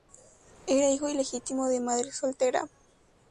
Era hijo ilegítimo de madre soltera.